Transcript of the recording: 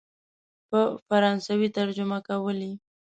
په فرانسوي ترجمه کولې.